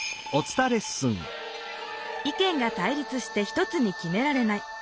意見が対立して１つにきめられない。